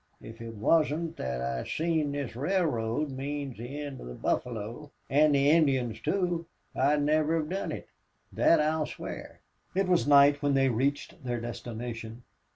If it wasn't thet I seen this railroad means the end of the buffalo, an' the Indians, too, I'd never hev done it. Thet I'll swar." It was night when they reached their destination.